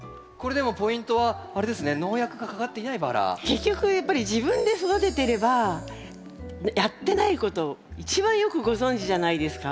結局やっぱり自分で育ててればやってないこと一番よくご存じじゃないですか。